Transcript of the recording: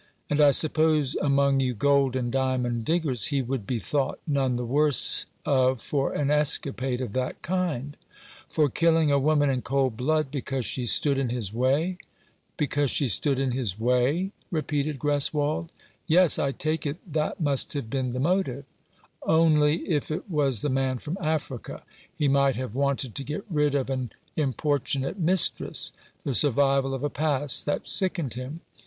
"And I suppose among you gold and diamond diggers he would be thought none the worse of for an escapade of that kind " "For killing a woman in cold blood, because she stood in his way ?" "Because she stood in his way?" repeated Greswold. " Yes, I take it that must have been the motive." 288 For the Happiness of the Greatest Number. " Only if it was the man from Africa. He might have wanted to get rid of an importunate mistress — the survival of a past that sickened him.